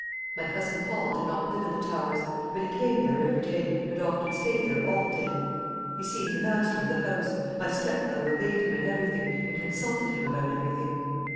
My cousin Paul did not live at the Towers; but he came there every day, and often stayed there all day. He seemed the master of the house. My stepmother obeyed him in everything, and consulted him about everything.